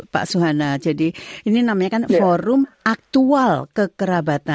pak suhana jadi ini namanya kan forum aktual kekerabatan